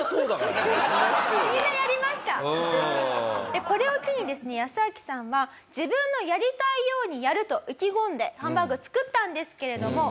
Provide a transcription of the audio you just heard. でこれを機にですねヤスアキさんは自分のやりたいようにやると意気込んでハンバーグ作ったんですけれども結果はですね。